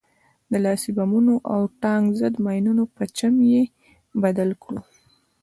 د لاسي بمونو او د ټانک ضد ماينونو په چم يې هم بلد کړو.